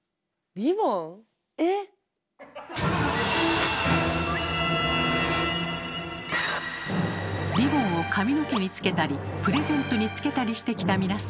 リボンを髪の毛につけたりプレゼントにつけたりしてきた皆さん